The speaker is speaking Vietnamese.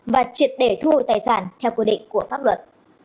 và triệt để thu hồi tài sản theo quy định của pháp luật